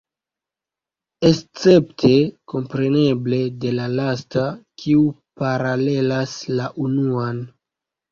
Escepte, kompreneble, de la lasta, kiu paralelas la unuan.